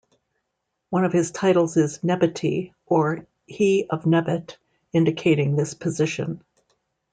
One of his titles is "Nebuty" or "He of Nebut" indicating this position.